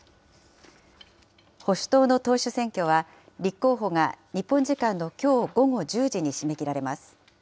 保守党の党首選挙は、立候補が日本時間のきょう午後１０時に締め切られます。